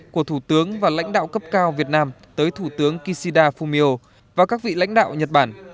của thủ tướng và lãnh đạo cấp cao việt nam tới thủ tướng kishida fumio và các vị lãnh đạo nhật bản